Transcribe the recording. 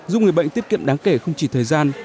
giúp người bệnh tiết kiệm đáng kể không chỉ thời gian